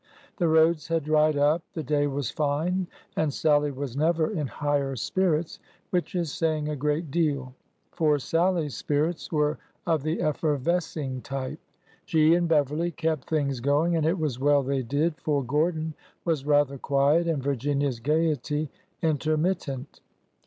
The roads had dried up, the day was fine, and Sallie was never in higher spirits,— which is saying a great deal, for Sallie's spirits were of the effervescing type. She and Beverly kept things going; and it was well they did, for Gordon was rather quiet and Virginia's gaiety inter mittent.